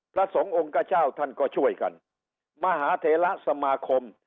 พระสงฆ์องค์กระเจ้าท่านก็ช่วยกันมหาเทระสมาคม